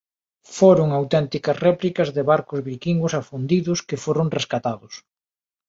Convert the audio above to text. Foron auténticas réplicas de barcos viquingos afundidos que foron rescatados.